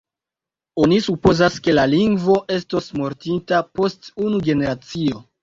Oni supozas, ke la lingvo estos mortinta post unu generacio.